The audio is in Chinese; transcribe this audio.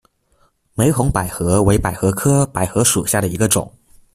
玫红百合为百合科百合属下的一个种。